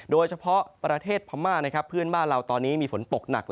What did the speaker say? โดยเฉพาะประเทศพม่าเพื่อนบ้านเราตอนนี้มีฝนตกหนัก